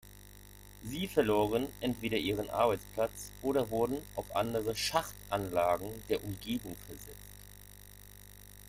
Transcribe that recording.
Sie verloren entweder ihren Arbeitsplatz oder wurden auf andere Schachtanlagen der Umgebung versetzt.